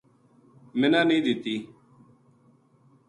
منا نی دِتی